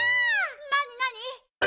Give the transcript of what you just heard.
なになに？